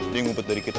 dia ngumpet dari kita